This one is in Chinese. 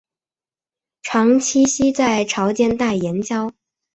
常栖息在潮间带岩礁。